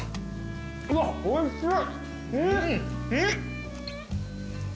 うわっおいしい。